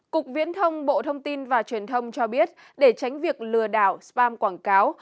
cục viễn thông bộ thông tin và truyền thông cho biết để tránh việc lừa đảo spam quảng cáo